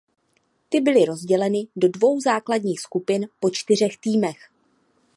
Ty byly rozděleny do dvou základních skupin po čtyřech týmech.